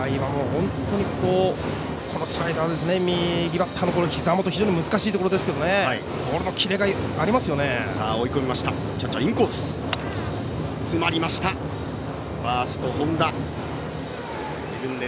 本当に右バッターのひざ元非常に難しいところですけどボールにキレがありますね。